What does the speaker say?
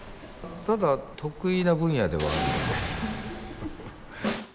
ただ得意な分野ではあるので。